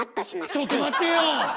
ちょっと待ってよ！